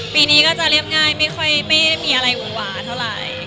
ปีนี้ก็จะเรียบง่ายไม่ค่อยไม่มีอะไรหวานเท่าไหร่